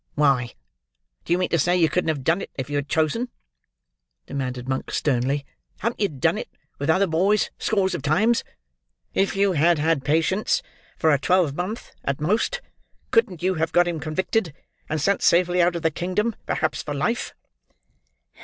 "Why, do you mean to say you couldn't have done it, if you had chosen?" demanded Monks, sternly. "Haven't you done it, with other boys, scores of times? If you had had patience for a twelvemonth, at most, couldn't you have got him convicted, and sent safely out of the kingdom; perhaps for life?"